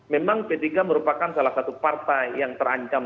memang p tiga merupakan salah satu partai yang terancam